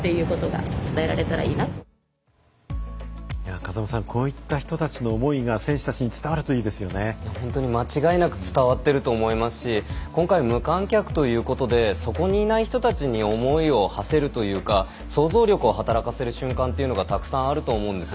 風間さん、こういった人たちの思いが選手たちに間違いなく伝わっていると思いますし今回、無観客ということでそこにいない人たちに思いをはせるというか想像力を働かせる瞬間がたくさんあると思うんです。